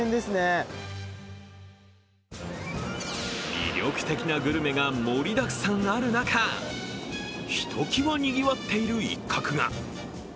魅力的なグルメが盛りだくさんある中、ひときわにぎわっている一角が。